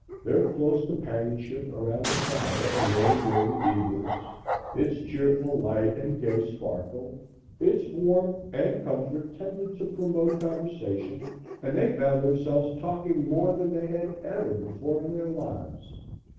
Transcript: Their close companionship around the fire alone during the evenings; its cheerful light and gay sparkle, its warmth and comfort tended to promote conversation and they found themselves talking more than they had ever before in their lives.